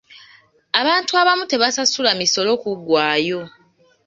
Abantu abamu tebasasula misolo kuggwayo.